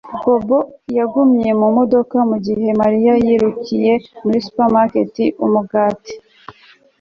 Bobo yagumye mu modoka mugihe Mariya yirukiye muri supermarket umugati